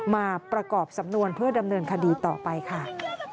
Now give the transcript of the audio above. มาประกอบสำนวนเพื่อดำเนินคดีต่อไปค่ะ